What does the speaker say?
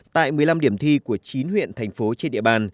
tại một mươi năm điểm thi của chín huyện thành phố trên địa bàn